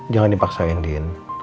jangan dipaksain din